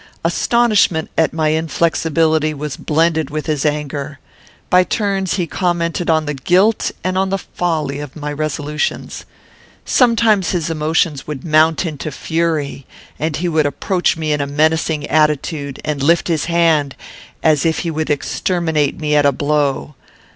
Astonishment at my inflexibility was blended with his anger. By turns he commented on the guilt and on the folly of my resolutions. Sometimes his emotions would mount into fury, and he would approach me in a menacing attitude, and lift his hand as if he would exterminate me at a blow.